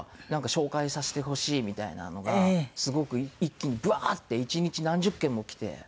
なんか紹介させてほしいみたいなのがすごく一気にブワーッて１日何十件もきて。